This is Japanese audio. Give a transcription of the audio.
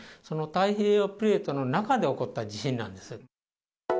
その太平洋プレートの中で起こった地震なんです。